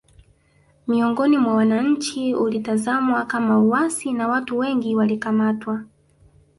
Miongoni mwa wananchi ulitazamwa kama uasi na watu wengi walikamatwa